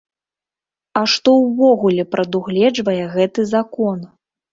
А што ўвогуле прадугледжвае гэты закон?